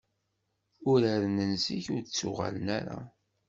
Uraren n zik, ur d-ttuɣalen ara.